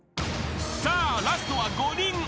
［さあラストは５人相手］